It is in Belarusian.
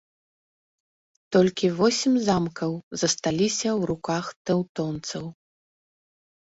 Толькі восем замкаў засталіся ў руках тэўтонцаў.